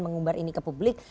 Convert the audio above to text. mengumbar ini ke publik